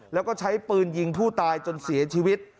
แล้วก็ใช้ปืนยิงผู้ตายจนเสียชีวิต